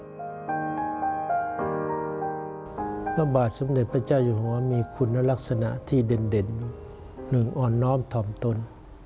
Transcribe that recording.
พระบาทสมเด็จพระเจ้าอยู่หัวมีคุณลักษณะที่เด่นหนึ่งอ่อนน้อมถ่อมตน